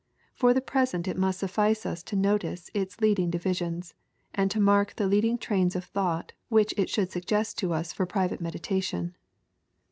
For the present it must suffice us to notice its leading divisions, and to mark the leading trains of thought which it should suggest to us for private meditation.